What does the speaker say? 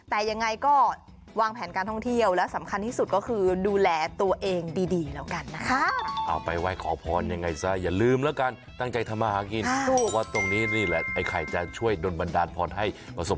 แต่ยังไงก็วางแผนการเข้าห้องเที่ยวและสำคัญที่สุดก็คือดูแลตัวเองดี